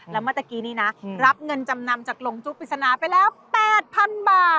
แล้วเมื่อตะกี้นี่นะรับเงินจำนำจากลงจุ๊กปริศนาไปแล้ว๘๐๐๐บาท